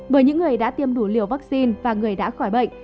bởi những người đã tiêm đủ liều vaccine và người đã khỏi bệnh